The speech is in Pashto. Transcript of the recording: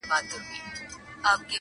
څه پیسې لرې څه زر څه مرغلري!.